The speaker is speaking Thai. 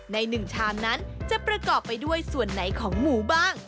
ในหนึ่งชามนั้นจะประกอบไปด้วยส่วนไหนของหมูบ้าง